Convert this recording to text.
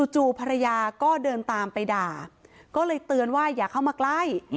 ภรรยาก็เดินตามไปด่าก็เลยเตือนว่าอย่าเข้ามาใกล้